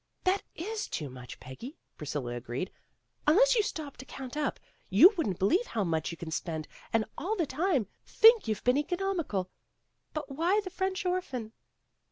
"That is too much, Peggy," Priscilla agreed. "Unless you stop to count up, you wouldn't believe how much you can spend and all the time think you've been economical. But why the French orphan?"